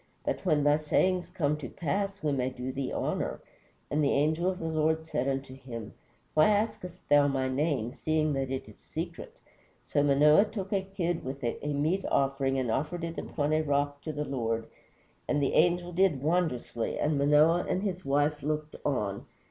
that when thy sayings come to pass we may do thee honor. And the angel of the Lord said unto him, Why askest thou my name, seeing that it is secret? So Manoah took a kid with a meat offering and offered it upon a rock to the Lord; and the angel did wonderously, and Manoah and his wife looked on.